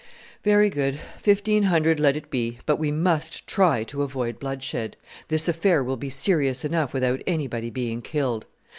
"Very good; fifteen hundred let it be; but we must try to avoid bloodshed. This affair will be serious enough without anybody being killed.